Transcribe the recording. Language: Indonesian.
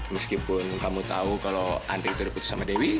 meskipun kamu tahu kalau andrei udah putus sama dewi